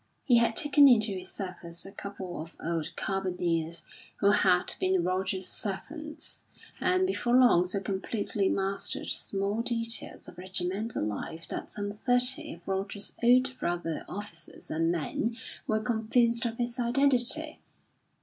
He had taken into his service a couple of old Carbineers who had been Roger's servants and before long so completely mastered small details of regimental life that some thirty of Roger's old brother officers and men were convinced of his identity.